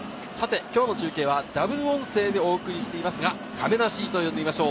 今日の中継はダブル音声でお送りしていますが、かめなシートを呼んでみましょう。